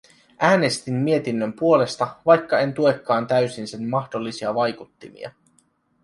Äänestin mietinnön puolesta, vaikka en tuekaan täysin sen mahdollisia vaikuttimia.